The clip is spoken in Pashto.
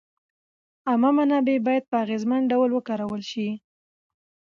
عامه منابع باید په اغېزمن ډول وکارول شي.